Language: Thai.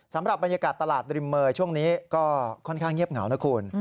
สำหรับบรรยากาศตลาดริมเมย์ช่วงนี้ก็ค่อนข้างเงียบเหงานะคุณ